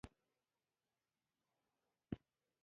سپوږمۍ د ځمکې پر شاوخوا دایمي حرکت لري